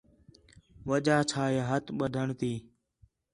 وجہ چھا ہے ہتھ ٻدّھݨ تی